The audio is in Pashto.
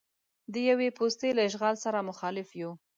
د یوې پوستې له اشغال سره مخالف یو.